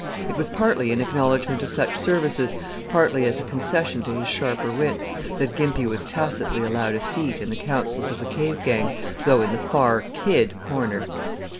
It was partly in acknowledgment of such services, partly as a concession to his sharper wits, that Gimpy was tacitly allowed a seat in the councils of the Cave Gang, though in the far "kid" corner.